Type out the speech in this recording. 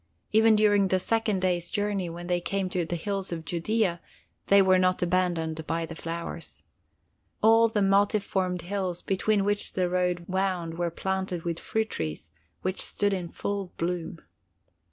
Even during the second day's journey, when they came to the hills of Judea, they were not abandoned by the flowers. All the multiformed hills between which the road wound were planted with fruit trees, which stood in full bloom.